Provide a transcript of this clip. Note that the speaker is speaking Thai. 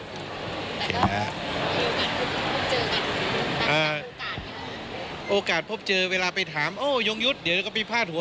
กรณีนี้ทางด้านของประธานกรกฎาได้ออกมาพูดแล้ว